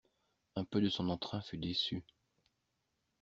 Un peu de son entrain fut déçu.